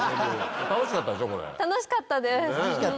楽しかったでしょ？